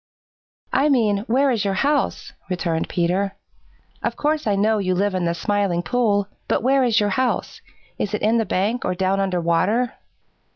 "I mean, where is your house?" returned Peter. "Of course I know you live in the Smiling Pool, but where is your house? Is it in the bank or down under water?"